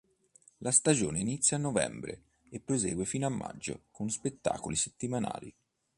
La stagione inizia a Novembre e prosegue fino a Maggio con spettacoli settimanali.